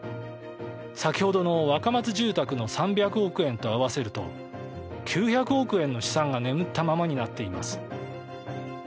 先ほどの若松住宅の３００億円と合わせると９００億円の資産が眠ったままになっています。